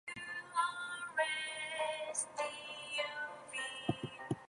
The first departures from Leeds to both Morecambe and Carlisle also call here.